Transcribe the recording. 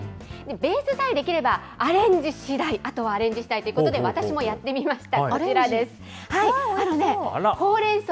ベースさえ出来れば、アレンジしだい、あとはアレンジしだいということで、私もやってみました。